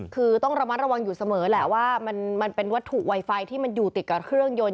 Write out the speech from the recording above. คือต้องระมัดระวังอยู่เสมอแหละว่ามันเป็นวัตถุไวไฟที่มันอยู่ติดกับเครื่องยนต